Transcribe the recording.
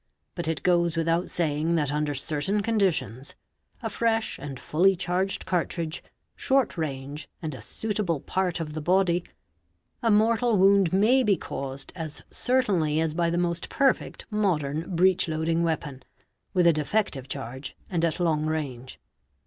But it goes without saying that under certain conditions—a fresh and fully charged cartridge, short range, and a suitable part of the body—a mortal wound may be caused as certainly as by the most perfect modern breech loading weapon, with a defective charge and at long range.